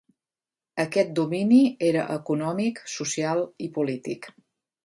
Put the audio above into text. Aquest domini era econòmic, social i polític.